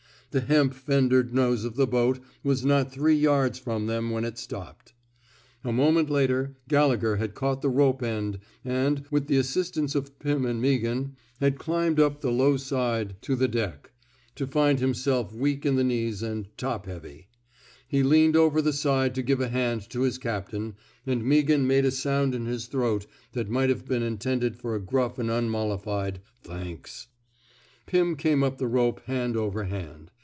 The hemp f en dered nose of the boat was not three yards from them when it stopped. A moment later, Gallegher had caught the rope end, and, with the assistance of Pirn and Meaghan, had climbed up the low side 54 A CHARGE OF COWAEDICE to the deck, to find hjmself weak in the knees and top heavy. He leaned over the side to give a hand to his captain, and Meaghan made a sound in his throat that might have been intended for a gruff and unmollified *' Thanks/* Pim came up the rope hand over hand.